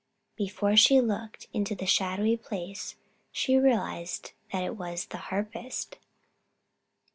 Before she looked into the shadowy place she realized that it was the harpist.